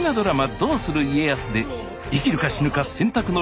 「どうする家康」で生きるか死ぬか選択の連続！